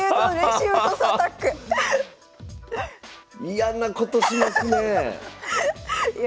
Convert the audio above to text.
嫌なことしますねえ！